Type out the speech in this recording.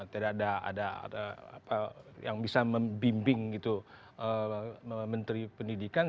tidak ada yang bisa membimbing gitu menteri pendidikan